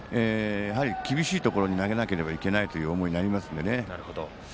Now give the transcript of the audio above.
やはり厳しいところに投げなければいけないという思いになりますので。